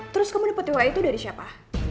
terus kamu nipu tewa itu dari siapa